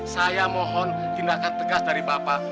saya mohon tindakan tegas dari bapak